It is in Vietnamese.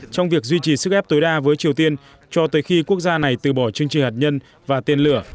trong việc duy trì sức ép tối đa với triều tiên cho tới khi quốc gia này từ bỏ chương trình hạt nhân và tên lửa